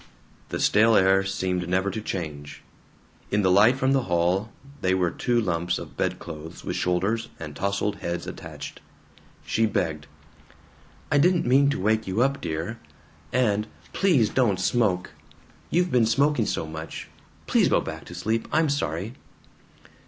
The stale air seemed never to change. In the light from the hall they were two lumps of bedclothes with shoulders and tousled heads attached. She begged, "I didn't mean to wake you up, dear. And please don't smoke. You've been smoking so much. Please go back to sleep. I'm sorry."